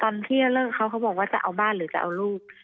ที่จะเลิกเขาเขาบอกว่าจะเอาบ้านหรือจะเอาลูก